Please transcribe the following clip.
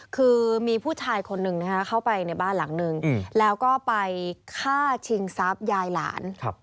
คือมีผู้ชายคนหนึ่งเข้าไปในบ้านหลังนึงแล้วก็ไปฆ่าชิงทรัพย์ยายหลาน